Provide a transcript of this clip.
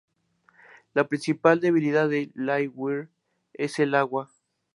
La principal debilidad de Livewire es el agua.